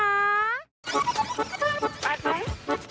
นัดหน่อย